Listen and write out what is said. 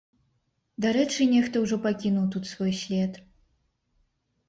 Дарэчы, нехта ўжо пакінуў тут свой след.